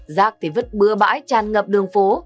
giác thì vứt bưa bãi tràn ngập đường phố